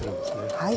はい。